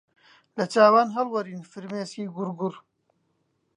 لە چاوان هەڵوەرین فرمێسکی گوڕگوڕ